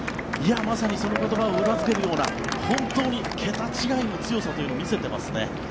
まさにその言葉を裏付けるような本当に桁違いの強さというのを見せてますね。